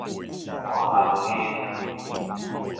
大湳坑